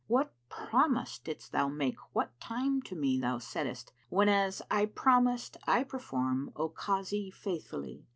What promise didst thou make what time to me thou said'st * 'Whenas I promise I perform, O Kazi, faithfully.'